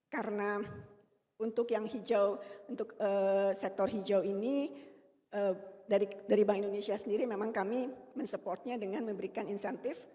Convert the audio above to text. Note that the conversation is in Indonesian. karena untuk yang hijau untuk sektor hijau ini dari bank indonesia sendiri memang kami mensupportnya dengan memberikan insentif